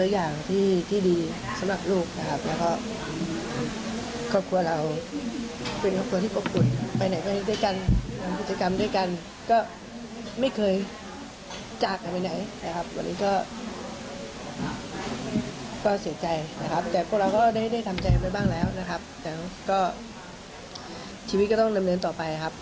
อยู่บ้างแล้วนะครับแต่ก็ชีวิตก็ต้องเริ่มเริ่มต่อไปครับ